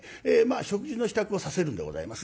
食事の支度をさせるんでございますね。